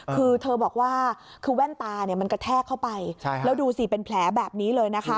คือเธอบอกว่าคือแว่นตามันกระแทกเข้าไปแล้วดูสิเป็นแผลแบบนี้เลยนะคะ